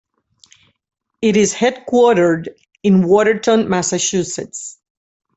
It is headquartered in Watertown, Massachusetts.